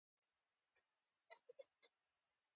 له څو رنګونو څخه کار اخیستل کیږي.